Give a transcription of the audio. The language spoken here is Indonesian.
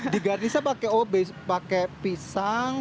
di garnisa pakai pisang